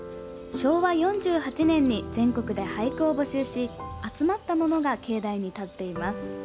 昭和４８年に全国で俳句を募集し集まったものが境内に立っています。